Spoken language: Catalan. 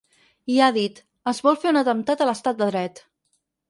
I ha dit: Es vol fer un atemptat a l’estat de dret.